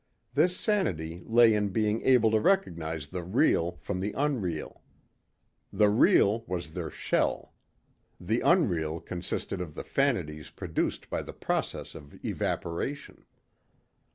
This sanity lay in being able to recognize the real from the unreal. The real was their shell. The unreal consisted of the fantasies produced by the process of evaporation.